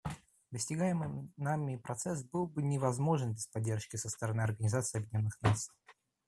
Достигаемый нами прогресс был бы невозможен без поддержки со стороны Организации Объединенных Наций.